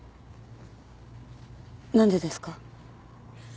何でですか？